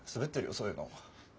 そういうの。